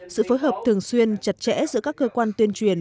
sự phối hợp thường xuyên chặt chẽ giữa các cơ quan tuyên truyền